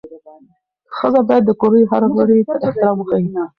ښځه باید د کورنۍ هر غړي ته احترام وښيي.